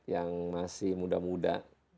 yang masih muda muda